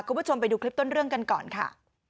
คุณผู้ชมไปดูคลิปต้นเรื่องกันก่อนค่ะ